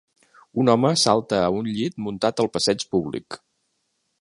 Un home salta a un llit muntat al passeig públic.